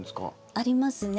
ありますね。